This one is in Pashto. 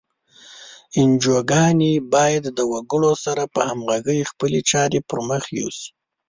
انجوګانې باید د وګړو سره په همغږۍ خپلې چارې پر مخ یوسي.